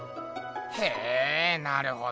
へぇなるほどなぁ。